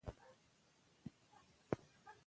ازادي راډیو د اقتصاد ستونزې راپور کړي.